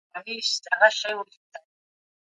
ادب زده کړئ.